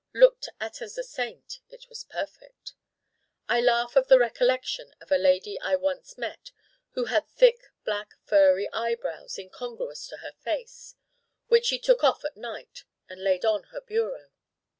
Looked at as a saint it was perfect. I Laugh at the recollection of a lady I once met who had thick black furry eyebrows incongruous to her face, which she took off at night and laid on her bureau.